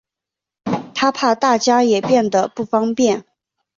她怕大家也变得不方便